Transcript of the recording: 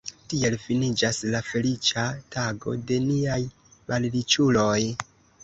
Tiel finiĝis la feliĉa tago de niaj malriĉuloj.